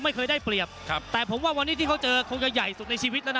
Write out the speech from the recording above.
ไม่เคยได้เปรียบครับแต่ผมว่าวันนี้ที่เขาเจอคงจะใหญ่สุดในชีวิตแล้วนะ